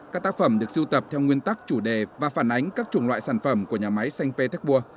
các tác phẩm được sưu tập theo nguyên tắc chủ đề và phản ánh các trùng loại sản phẩm của nhà máy sankt petersburg